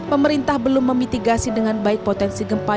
pemerintah belum memitigasi dengan baik potensi gempa